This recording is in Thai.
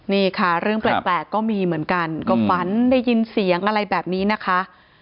นี่ค่ะเรื่องแปลกก็มีเหมือนกันก็ฝันได้ยินเสียงอะไรแบบนี้นะคะ